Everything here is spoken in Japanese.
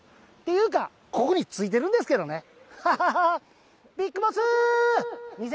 っていうか、ここについてるんですけどね。